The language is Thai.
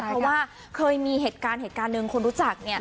เพราะว่าเคยมีเหตุการณ์หนึ่งคนรู้จัก